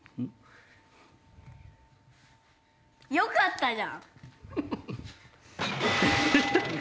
よかったじゃん！